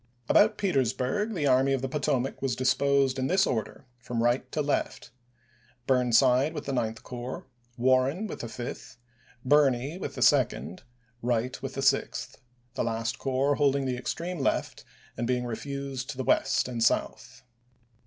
About Petersburg the Army of the Potomac was disposed in this order from right to left: Burnside with the Ninth Corps, Warren with the Fifth, Birney with the Second, Wright with the Sixth ; the last corps holding the PETEESBURG 413 extreme left and being refused to the west and ch. xviil south.